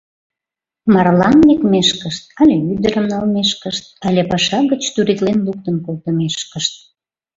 Марлан лекмешкышт, але ӱдырым налмешкышт, але паша гыч туритлен луктын колтымешкышт.